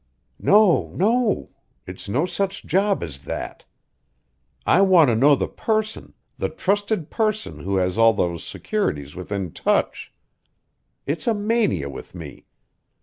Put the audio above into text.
"No, no. It's no such job as that. I want to know the person, the trusted person who has all those securities within touch. It's a mania with me.